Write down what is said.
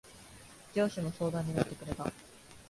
上司も相談に乗ってくれた。